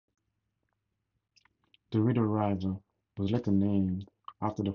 The Rideau River was later named after the falls.